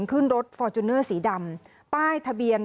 ขึ้นรถฟอร์จูเนอร์สีดำป้ายทะเบียน